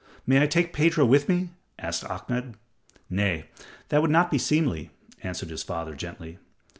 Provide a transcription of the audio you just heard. "May I take Pedro with me?" asked Ahmed. "Nay, that would not be seemly," answered his father, gently.